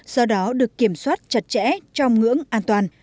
do đó được kiểm soát chặt chẽ trong ngưỡng an toàn